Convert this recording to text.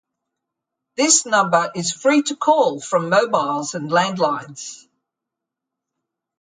This number is free to call from mobiles and landlines.